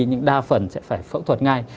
nhưng đa phần sẽ phải phẫu thuật ngay